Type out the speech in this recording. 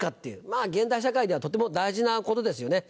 まぁ現代社会ではとても大事なことですよね。